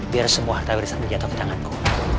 biar semua harta beresan jatuh di tanganku